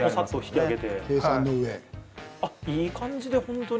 あっ、いい感じで本当に。